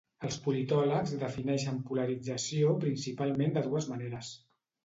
Els politòlegs defineixen polarització principalment de dues maneres.